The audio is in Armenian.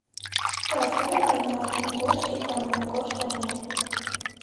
Տարածված են կարմրավուն գորշ և կարմրագորշ հողերը։